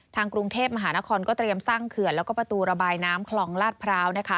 กรุงเทพมหานครก็เตรียมสร้างเขื่อนแล้วก็ประตูระบายน้ำคลองลาดพร้าว